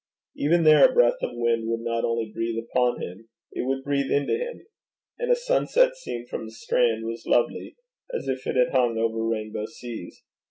Even there a breath of wind would not only breathe upon him, it would breathe into him; and a sunset seen from the Strand was lovely as if it had hung over rainbow seas.